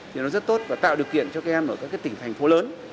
thì nó rất tốt và tạo điều kiện cho các em ở các tỉnh thành phố lớn